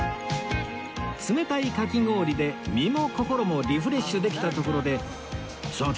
冷たいかき氷で身も心もリフレッシュできたところでさあ